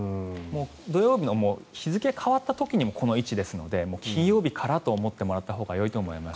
土曜日の日付が変わった時にもうこの位置ですので金曜日からと思ってもらったほうがいいと思います。